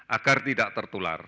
agar tidak tertular